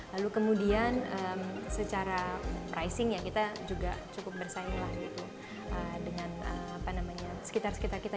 lalu kemudian secara pricing kita juga cukup bersaing dengan sekitar sekitar kita